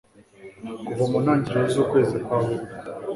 kuva mu ntangiriro z'ukwezi kwa werurwe